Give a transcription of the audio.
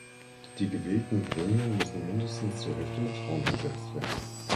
Die gewählten Gremien müssen mindestens zur Hälfte mit Frauen besetzt werden.